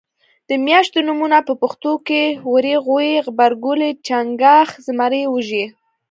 د میاشتو نومونه په پښتو کې وری غویي غبرګولی چنګاښ زمری وږی